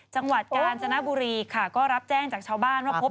จังหวัดกาญจนบุรีค่ะก็รับแจ้งจากชาวบ้านว่าพบ